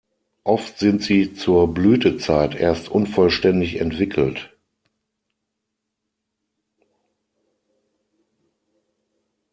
Oft sind sie zur Blütezeit erst unvollständig entwickelt.